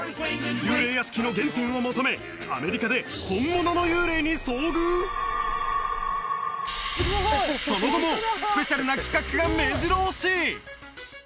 幽霊屋敷の原点を求めアメリカでその後もスペシャルな企画がめじろ押し！